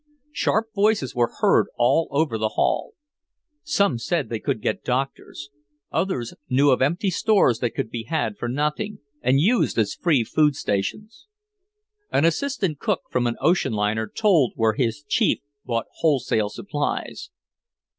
Sharp voices were heard all over the hall. Some said they could get doctors, others knew of empty stores that could be had for nothing and used as free food stations. An assistant cook from an ocean liner told where his chief bought wholesale supplies.